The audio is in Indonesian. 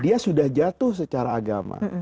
dia sudah jatuh secara agama